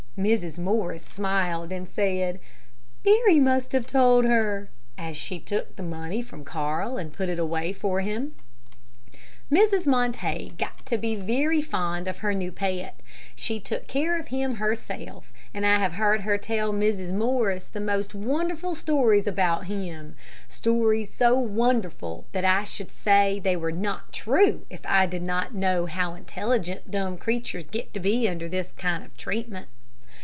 Mrs. Morris smiled, and said, "Barry must have told her," as she took the money from Carl to put away for him. Mrs. Montague got to be very fond of her new pet. She took care of him herself, and I have heard her tell Mrs. Morris most wonderful stories about him stories so wonderful that I should say they were not true if I did not how intelligent dumb creatures get to be under kind treatment.